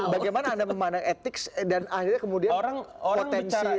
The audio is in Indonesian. bagaimana anda memandang etik dan akhirnya kemudian potensi